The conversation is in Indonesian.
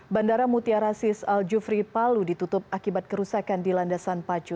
bandara mutiara sis al jufri palu ditutup akibat kerusakan di landasan pacu